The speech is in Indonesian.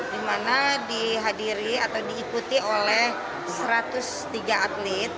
di mana dihadiri atau diikuti oleh satu ratus tiga atlet